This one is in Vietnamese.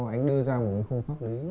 anh đưa ra một cái khung pháp lý